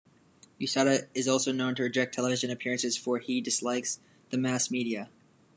Yasuda is also known to reject television appearances for he dislikes the mass media.